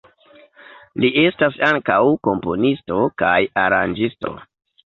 Li estas ankaŭ komponisto kaj aranĝisto.